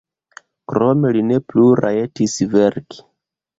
Krome li ne plu rajtis verki.